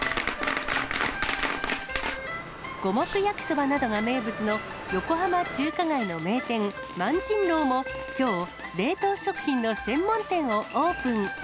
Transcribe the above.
五目焼きそばなどが名物の横浜中華街の名店、萬珍樓も、きょう、冷凍食品の専門店をオープン。